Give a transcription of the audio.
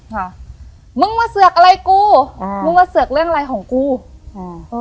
ค่ะมึงมาเสือกอะไรกูอ่ามึงมาเสือกเรื่องอะไรของกูอืมเออ